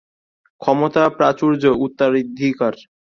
ক্ষমতা, প্রাচুর্য, উত্তরাধিকার।